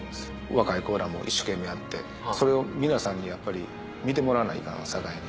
若い子らも一生懸命やってそれを皆さんにやっぱり見てもらわないかんさかいに。